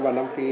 và nam phi